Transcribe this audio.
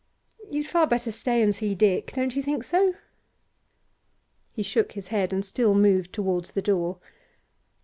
You'd far better stay and see Dick; don't you think so?' He shook his head and still moved towards the door.